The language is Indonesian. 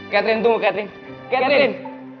katrin tunggu katrin katrin